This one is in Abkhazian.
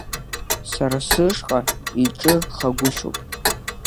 Сара сышҟа иҿы хагәышьоуп.